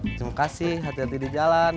terima kasih hati hati di jalan